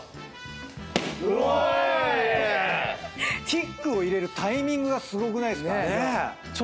キックを入れるタイミングがすごくないっすか？